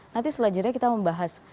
nanti setelah jeda kita membahas